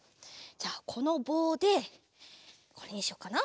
じゃあこのぼうでこれにしようかな。